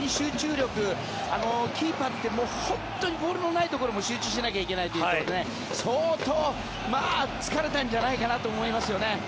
キーパーって本当にボールのないところでも集中しなきゃいけないということで相当、疲れたんじゃないかなと思いますよね。